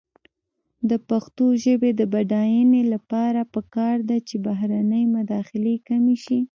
د پښتو ژبې د بډاینې لپاره پکار ده چې بهرنۍ مداخلې کمې شي.